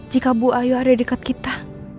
jika bu ayu ada di dekat kita